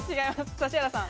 指原さん。